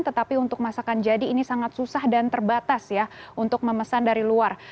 tetapi untuk masakan jadi ini sangat susah dan terbatas ya untuk memesan dari luar